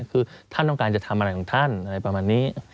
คือท่านต้องการจะทำอะไรของท่านอะไรประมาณนี้